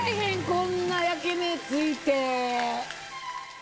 こんな焼き目ついて。